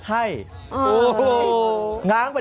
เต๊กเบ๑๓